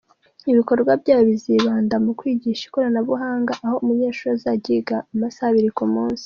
Ibikorwa byayo bizibanda mu kwigisha ikoranabuhanga aho umunyeshuri azajya yiga masaha abiri ku munsi.